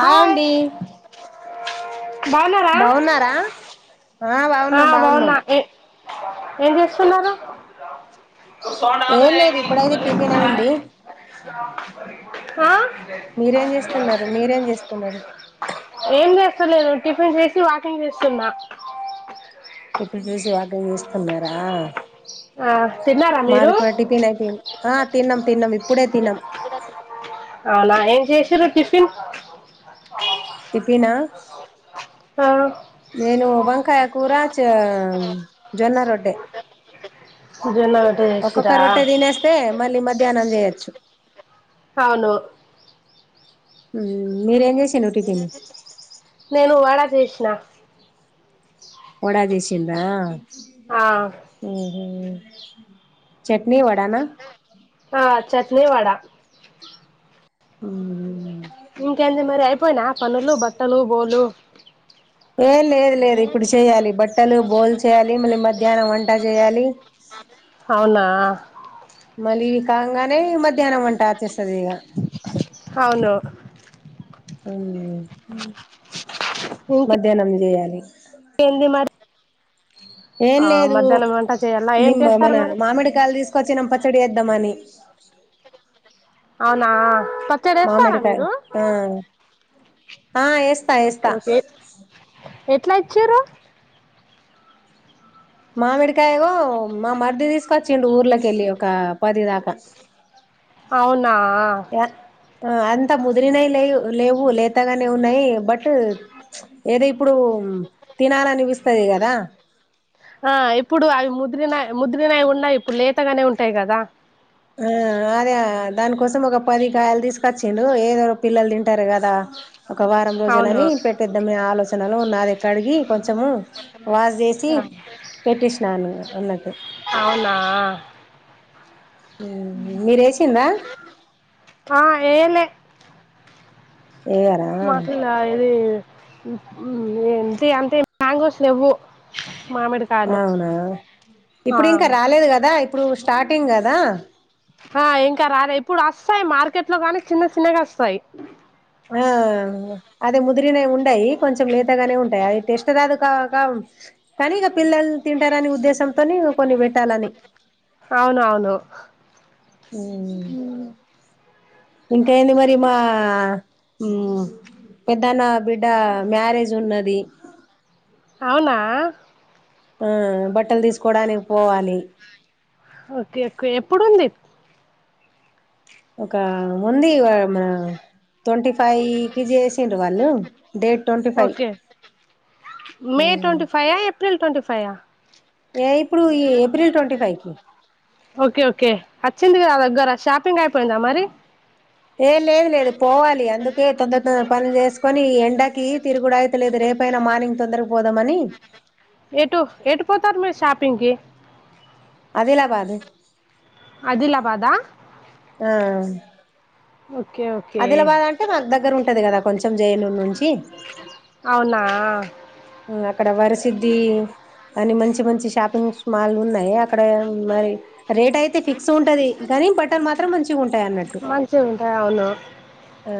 Hi బాగున్నారా బాగున్నారా ఆ బాగున్నాం బాగున్నాం బవున్నా ఏం చేస్తున్నరు ఏం లేదు ఇప్పుడైతే టిఫిన్ అయింది హ మీరేం చేస్తున్నారు మీరేం చేస్తున్నారు ఎమ్ చేస్ స్తలేను టిఫిన్ చేసి వాకింగ్ చేస్తున్నా టిపిన్ చేసి వాకింగ్ చేస్తున్నరా ఆ, తిన్నారా మీరు మాదికూడ టిపిన్ అయిపోయింది ఆ తిన్నం అవునా ఏం చేసిరు టిఫిన్ టిపినా ఆ, నేను వంకాయ కూరా చా జొన్న రొట్టె జొన్న రొట్టె చేసిరా ఒక్కొక్క రొట్టే తినేస్తే మళ్ళీ మధ్యాహ్నం చేయోచ్చు అవును మ్ మీరేం చేసి నేను వడ చేసిన వడా జేషిండ్రా ఆ, ఒహో ఆ చట్నీ వడ ఉహ్మ్మ్ ఇంకేంది మరి అయిపోయినా పనులు బట్టలు బోల్లు ఏ లేదూలేదు ఇప్పుడు చెయ్యాలి బట్టలు బోల్ చేయాలి మళ్ళీ మధ్యాహ్నం వంట చేయాలి అవునా మళ్ళీ ఇవి కాంగానే మధ్యాహ్నం వంట అచ్చేస్తది ఇగ అవును అవ్న్లె మ్ మధ్యాహ్నం చేయాల్ ఏంది మరి ఏం ఆ లేదు మధ్యాహ్నం వంట చేయాలా ఏం నిమ్మ చేస్తారు మన మరి మామిడికాయలు తీసుకొచ్చినం పచ్ పచ్చడి చేద్దామని అవునా పచ్చడేస్తారా మామిడికాయ మీరు ఆ ఆ ఏస్తా ఓకే ఏస్తా ఓకే ఎ ఎట్లా ఇచ్చిర్రు మామిడికాయగో మా మర్ది తీసుకొచ్చిండు ఊర్లకెల్లి ఒక పది దాక అవునా య అంత ముదిరినైలేవు లేవు లేతగానే ఉన్నాయి బట్ ఏదో ఇప్పుడు తినాలనిపిస్తది గదా ఆ ఇప్పుడు అవి ముదిరినయ్ ముద్రినవున్నాయ్ ఇప్పుడు లేతగానే ఉంటాయ్ గదా ఆ అదే దానికోసం ఒక పది కాయలు తీసుకొచ్చిండు ఏదో పిల్లలు తింటరు గదా ఒక వారం అవును రోజులని పెట్టేద్దామన్ ఆలోచనలో ఉన్నా అది కడిగి కొంచెము వాష్ చేసి పెట్టిసినాను అన్నట్టు అవునా మ్ మీరేసింద ఆ ఏయలే వేయరా మాకింగ అది మ్ ఏంటి అంటే మ్యాంగోస్ లేవ్వు మామిడికాయలు అవునా ఆ ఇప్పుడు ఇంక రాలేదు గదా ఇప్పుడు స్టార్టింగ్ గదా ఆ ఇంక రాలే ఇప్పుడు అస్తాయ్ మార్కెట్ లో గాని చిన్న చిన్నగ అస్తాయ్ ఆ అదే ముదిరినై ఉండయి కొంచెం లేతగానే ఉ టయి అవి టెస్ట్ కాదు కా క కానీగ పిల్లలు తింటరని ఉద్దేశం తోని కొన్ని వేట్టాలని అవునవును ఉమ్ ఇంకేంది మరి మా ఉమ్ పెద్దన్న బిడ్డ మ్యారేజ్ ఉన్నది అవునా ఆ బట్టలు తీసుకోవడానికి పోవాలి ఓకే ఓకే ఎప్పుడుంది ఒక ముంది ఇగా మా ట్వంటీ ఫైవ్ కి చేసిండ్రు వాళ్ళు date twenty five okay May twenty five అ ఏప్రిల్ ట్వెంటీఫైవ్ అ ఏ ఇప్పుడు ఈ ఏప్రిల్ ట్వెంటీఫైవ్ కి ఓకే ఓకే అచ్చింది గదా దగ్గర షాపింగ్ అయిపోయిందా మరి ఏ లేదులేదు పోవాలి అందుకే తొందర తొందర్ పనులు చేసుకొని ఈ ఎండకి తిరుగుడయితలేదు రే పైన మార్నింగ్ తొందరగా పోదమని ఎటు ఎటు పోతారు మీరు షాపింగ్ కి అదిలాబాదు అదిలబాదా ఆ ఓకే ఓకే అదిలబాద్ అంటే మాకు దగ్గర ఉంటది గదా కొంచెం జైనూర్ నుంచి అవునా అక్కడ వరిసిద్ది అని మంచి మంచి షాపింగ్స్ మాల్ ఉన్నాయి అక్కడ మరి రేట్ అయితే ఫిక్స్ ఉంటది నీ బట్టల్ మాత్రం మంచిగా ఉంట మంచిగా ఉంటాయి అవును ఆ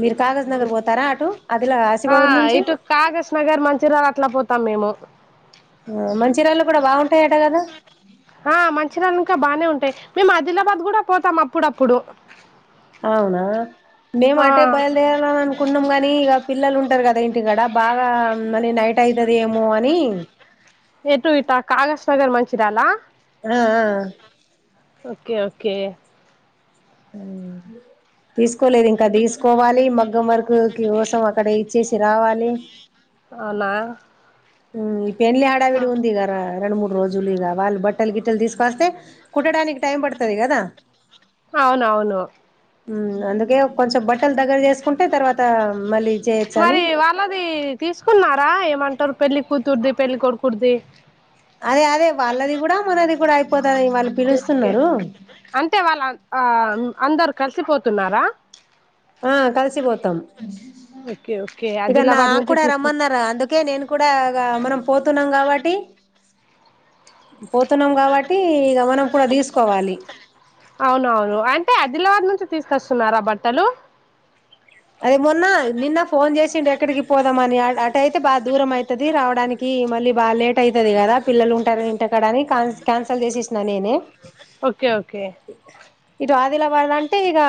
మీరు కాగజ్ నగర్ పోతారా అటు అదిలా ఆ, ఆసిఫబాద్ నుంచి ఇటు కాగస్ నగర్ మంచిర్యాల అట్లా పోతాం మేము మంచిర్యాల కూడా బాగుంటాయట కదా మేమ్ ఆదిలాబాద్ కూడా పోతాం అప్పుడప్పుడు అవునా మేము ఆ, అటే బయలుదేరాలని అనుకున్నాం గాని ఇక పిల్లలు ఉంటారు కదా ఇంటికాడ బాగా మని నైట్ యితది ఏమో అని ఎటు ఇట్ట కాగస్ నగర్ మంచిరాల ఆ ఆ ఓకే ఓకే మ్ తీసుకోలేదు ఇంకా దిసుకోవాలి మగ్గం వరకు కి కోసం అక్కడ ఇచ్చేసి రావాలి అవునా ఇ పెళ్లి హడావిడి ఉంది గార రొండు మూడ్ రోజులు ఇంగా వాళ్ళు బట్టలు గిట్టలు తీసుకొస్తే కుట్టడానికి టైం పడుతది కదా అవునవును మ్ అందుకే కొంచం బట్టలు దగ్గర చేసుకుంటే తర్వాత మళ్ళీ చేయొచ్చు అని మరి వాళ్ళది తీసుకున్నారా ఏమంటారు పెళ్ళి కూతుర్ది పెళ్ళి కొడుకుడ్ది అదే అదే వాళ్ళది కూడా మనది కూడా అయిపోత్ అంటే వాళ్ళ ఆ అందరు కలిసిపోతున్నారా ఆ కలిసిపోతాం ఓకే ఓకే ఇగ నా ఆదిలాబాద్ నుంచి కూడా తీసుకొచ్చి రమ్మన్నారా అందుకే నేను కూడా గా మనం పోతున్నాం కాబట్టి పోతున్నాం కాబట్టి ఇగ మనం కూడా తీసుకోవాలి అవునవును అంటే ఆదిలాబ్ నుంచి తీసుకొస్తున్నారా బట్టలు అదే మొన్న నిన్న ఫోన్ చేసిండే ఆక్కడికి పోదామని అ అటుయితే బాగా దూరం ఐతది రావడానికి మళ్ళీ బా లేట్ అయితది కదా పిల్లలు ఉంటారు ఇంటకాడ అని ఖాన్ క్యాన్సల్ చేసేసిన నేనే ఓకే ఓకే ఇటు ఆదిలాబాద్ అంటే ఇగ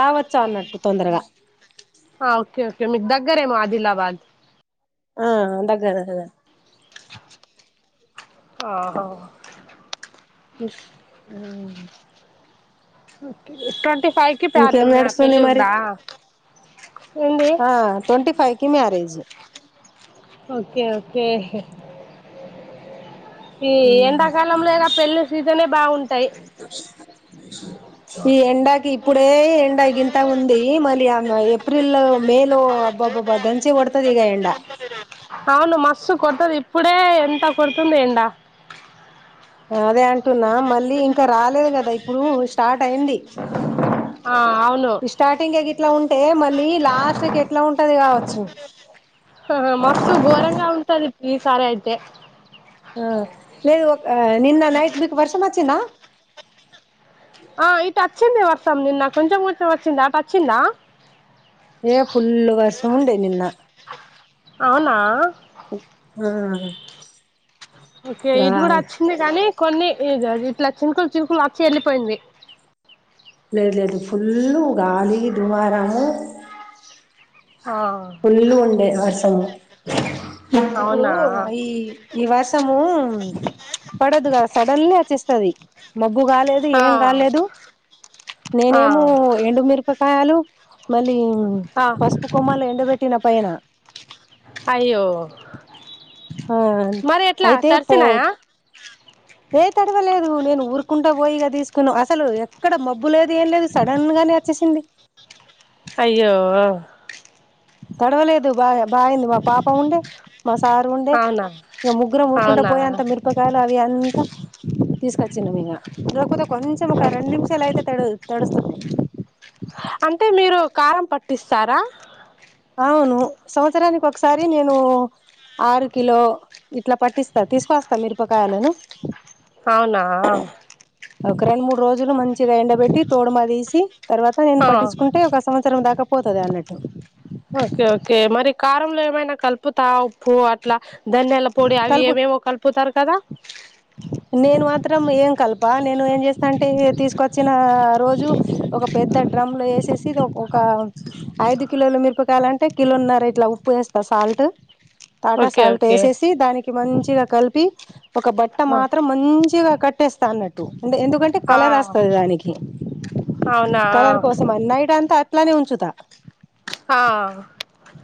రావచ్చు అన్నట్టు తొందరగా ఓకే ఓకే మీక్ దగ్గరేమో ఆదిలాబాద్ ఆ దగ్గరా దగ్గర వోహో ట్వంటీ ఫైవ్ కి ఇంకేం పారేల నడుస్తుంది పెళ్ళి మరి ఉందా ఏంది ఆ ట్వంటీ ఫైవ్ కి మ్యారేజ్ ఓకే ఓకే ఈ ఎండాకాలం లేదా పెళ్లి సీజన్స్ ఏ బాగుంటాయి ఈ ఎండాకి ఇప్పుడే ఎండా గంత ఉంది మళ్ళీ ఆమే ఏప్రిల్ లో మే లో అబ్బాబ్బబ్బా దన్ంచి కొడుతది ఈగ ఎండ అవును మస్తు కొడతది ఇప్పుడే ఎంత కొడుతుంది ఎండా అదే అంటున్నా మళ్ళీ ఇంకా రాలేదు కదా ఇప్పుడు స్టార్ట్ అయింది ఆ అవును స్టార్టింగ్ ఏ గిట్ల ఉన్ టే మళ్ళీ లాస్ట్కీ ఎట్ల ఉంటది కావచ్చు. ఆ మాటు ఘోరంగా ఉంటది ఈ సారైతే ఆ లేదు ఒక నిన్న నైట్ మీకు వర్షం వచ్చిందా? ఆ ఇటచ్చింది వర్షం నిన్న కొంచం కొంచం అచ్చింది అటచ్చిందా? ఏ ఫుల్ వర్షము ఉండే నిన్న అవునా మ్మ్ ఓకే ఇటు కూడా వచ్చింది గానీ కొన్ని ఇగ ఇట్ల చినుకుల్ చినుకుల్ ఆచ్చి ఎళ్ళిపోయింది. లేదు లేదు ఫుల్లు గాలి దుమారము ఆ ఫుల్లు ఉండే వర్షము ఇప్పుడు అవునా ఈ ఈ వర్షం మ్ పడదుగా సడన్లీ వచ్చేస్తది. మ మబ్బు కాలేదు ఆ ఏం కాలేదు ఆ నేనేమో ఎండు మిరప కాయలు మళ్ళీ ఆ పసుపు కొమ్మలు ఎండబెట్టిన పైన అయ్యో ఆ మరి ఎట్లా అయితే పో తడిసినాయా ఏ తడవలేదు నేను ఊరుకుంటా పోయి ఇగ తీస్కున్న అసలు ఎక్కడ మబ్బు లేదు ఏం లేదు సడన్గ గనే అచ్చేసింది. అయ్యో! తడవలేదు బాగా బాయింది మా పాప ఉండే మా సారు ఉండే అవునా ఇగ ముగ్గురం ఊరుకుంట అవునా పోయే అంత మిరపకాయల్ అవి అన్ తీస్కచ్చినం ఇగ లేకపోతే కొంచం ఒక రెండు నిమిషాల్ అయితే తడ్ తడుస్తుండే అంటే మీరు కారం పట్టిస్తారా? అవును సంవత్సరానిక్ ఒక్సారి నేను ఆరు కిలో ఇట్ల పట్టిస్తా తీసుకొనస్తా మిరపకాయలను అవునా ఒక రెండు మూడు రోజులు మంచిగ ఎండబెట్టి తోడుమ తీసి తర్వాత నేన్ ఆ పట్టిచ్చుకుంటే ఒక సంవత్సరం దాకా పోతది అన్నట్టు. ఓకే ఓకే మరి కారంల ఏమైనా కలుపుతా ఉప్పు అట్లా ధనియాల పొడి అవి కలుపు ఏవేవో కలుపుతార్ కదా నేను మాత్రం ఏం కల్ప నేను ఏం చేస్తా అంటే తీస్కొచ్చిన రోజు ఒక పెద్ద డ్రమ్లో ఎసేసి ఇద్ ఒక ఐదు కిలోలు మిరప కాయలంటే కిలోన్నర ఇట్ల ఉప్పు ఏస్తా సాల్ట్ టె టాటా ఓకే సాల్ట్ ఓకే ఏసేసి దానికి మంచిగ కల్పి ఒక బట్ట ఆ మాత్రం మంచిగ కట్ ట్టేస్త అన్నట్టు. అంటే ఎందుకంటే ఆ కలర్ అస్తది దానికి అవునా కలర్ కోసం అన్ నైట్ అంతా అట్లనే ఉంచుతా ఆ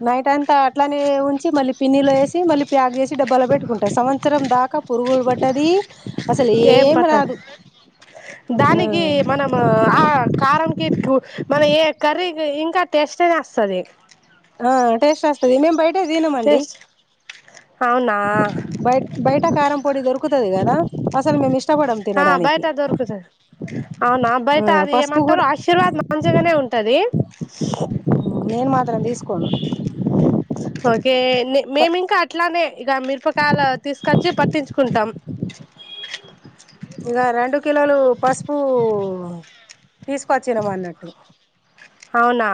నైట్ అంతా అట్లనే ఉంచి మళ్ళీ పిన్నిలో ఏసి మళ్ళీ ప్యాక్ జేసి డబ్బలో పెట్టుకుంటా సంవత్సరం దాకా పురుగులు ప ట్టది. ఏం పట్టద్ దానికి ఆ మనమ్ ఆ కారం మన ఏ కర్రీ ఇంకా టేస్ట్నే అస్తది. ఆ టేస్ట్ వస్తది మేం బయటే తినమండి టేస్ట్ అవునా బై బైట్ ట కారం పొడి దొరుకుతది కదా అసల్ మేం ఇష్ట ఆ బయట దొరుకుతద్ అవునా ఆ బైట అది పసుపు ఏమంటరు కూడా ఆశీర్వాద్ మంచిగనే ఉంటది. నేను మాత్రం తీస్కోను. ఓకే లె మేం ఇంకా అట్లనే ఇగ మిరపకాయల్ తీస్కచ్చి పట్టించుకుంటాం. ఇగ రెండు కిలోలు పసుపు తీస్కొచ్చినం అన్నట్టు. అవునా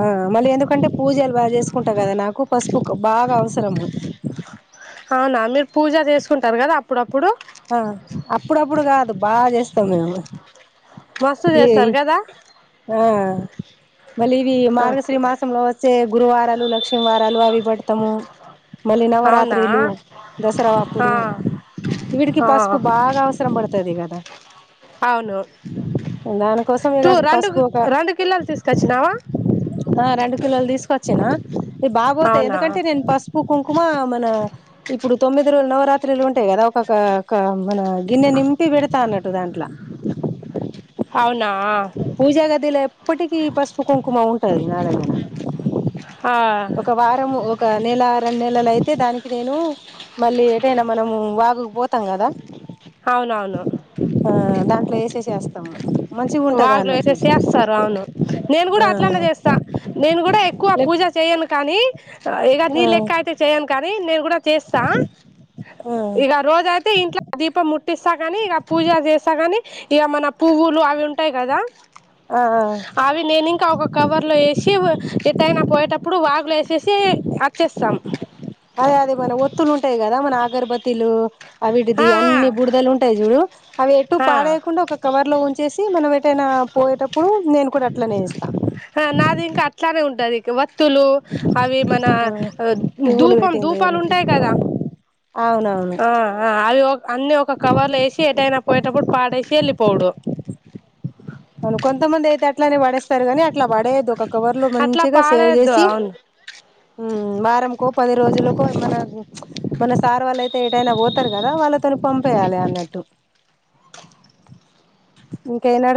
ఆ మళ్ళీ ఎందుకంటే పూజలు బాగా చేస్కుంటా కదా నాకు పసుపు బాగా అవసరము. అవునా మీరు పూజ చేసుకుంటారు కదా అప్పుడాప్ ఆ అప్పుడప్పుడు కాదు బాగా చేస్తాం మేము మస్తు ఏయ్ చేస్తారు కదా ఆ మళ్ళీ ఇవి ఓకే మార్గశ్రీ మాసంలో వచ్చే గురువారాలు, లక్ష్మీ వారాలు అవి పెడతము. మళ్ళీ అవునా నవరాత్రిలు దసరా ఆ అప్పుడు ఇవీటికి ఆ పసుపు బాగా అవసరం పడతది ఇగ. అవును దానికోసం టూ ఇగస్ రెండు పసుపు ఒక రెండు కిలోలు తీసుకొచ్చినావా ఆ రెండు కిలోల్ తీసుకొచ్చిన ఇ బాగ్ వొతాయ్ అవునా ఎందుకంటే నేన్ పసుపు, కుంకుమ మన ఇప్ ఇప్పుడు తొమ్మిది రోజులు నవరాత్రిలు ఉంటాయి గదా. ఒకొక్క ఒక మన గిన్నె నింపి వెడ్తా అన్నట్టు టుదంట్ల అవునా పూజా గదిలో ఎప్పటికీ పసుపు, కుంకుమ ఉంటది నా దగ్గర ఆ ఒక వారము ఒక్ ఒక నెల, రెండు నెలలు అయితే దానికి నేను మళ్ళీ ఏటైనా మనం వాగుక్ పోతాం గద. అవునవును వేసేసి చేస్తామం మన్ వాగులు ఏసీ సేసారు అవును నేను గూడా ఆ అట్లానే చేస్తా, నేను కూడా ఎక్కువ లేక్ పూజ చేయను కానీ చా ఇగ నీ ఆ లెక్క అయితే చేయన్ కానీ నేను కూడా చేస్తా. ఆ ఇగ రోజ అయితే ఇంట్లో దీపం ముట్టిస్తా గాని పూజ జీస్తా గాని ఇగ మన పువ్వులు అవి ఉంటాయి కదా. ఆ ఆ అవి నేన్ ఇంకా ఒక కవర్ లో ఎషి వ ఏ ఎటైనా పోయేటప్పుడు వాగులు ఏసేసి అచ్చేస్తాం. తీలు అవిటిది ఆ అన్ని బుడిదలు ఉంటాయి చూడు అవి ఎటు ఆ పాడేయకుండా ఒక కవర్ లో ఉంచేసి మనం ఎ ఎటైనా పోయేటప్పుడు నేను కూడా అట్లనే ఎస్తా. అ నాది ఇంక అట్లానే ఉంటది ఇక వ తులు అవి మన ఆ పువ్వులు దుపాం పెట్టింది దుపాలు దేవునికి ఉంటాయి కదా. అవునవును ఆ అ అవి అన్నీ ఒక కవర్లు ఏసి ఎటైనా పోయేటప్పుడు పాడేశి ఎలిపోవుడు అవును కొంతమంది అయితే అట్లనే వాడిస్తార్ గని అట్లా పడియొద్దు. ఒక కవర్ లో అట్లా మంచిగా సేవ్ పాడేద్దు చేసి అవును మ్ ఉమ్ వారం కో, పది రోజుల కో మన ప్చ్ మన సార్ వాళ్ళుయితే ఏటైనా వొతర్ కదా వాళ్ళతో పం పెయాలి అన్నట్టు ఇంకేనాడు